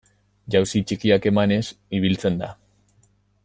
Jauzi txikiak emanez ibiltzen da.